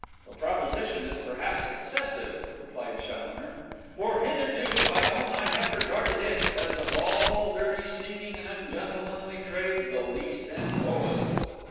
'The proposition is perhaps excessive,' replied Challoner; 'for hitherto I own I have regarded it as of all dirty, sneaking, and ungentlemanly trades, the least and lowest.